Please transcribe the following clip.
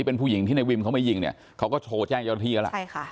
เป็นผู้หญิงที่ในวิมเขามายิงเนี่ยเขาก็โทรแจ้งยอดที่ก็แล้ว